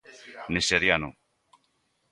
Nixeriano.